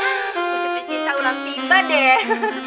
pujuk di cinta ulang tiba deh